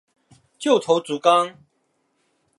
旧头足纲